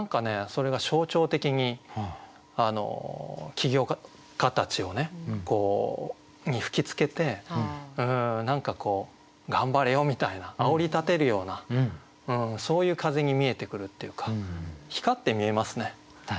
それが象徴的に起業家たちに吹きつけて何かこう頑張れよみたいなあおりたてるようなそういう風に見えてくるっていうか光って見えますね。